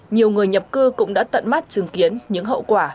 nhiều người nhập cư cũng đã tận mắt chứng kiến những hậu quả